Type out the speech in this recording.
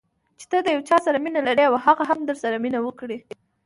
چې ته د یو چا سره مینه ولرې او هغه هم درسره مینه وکړي.